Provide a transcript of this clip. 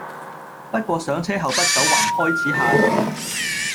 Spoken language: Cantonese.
不過上車後不久還開始下雨